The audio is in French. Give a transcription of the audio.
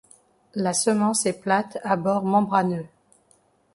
La semence est plate à bord membraneux.